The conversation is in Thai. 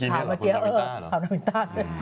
เมื่อกี้เนี่ยหรอคุณลาวินต้าหรอเออคุณลาวินต้าเลย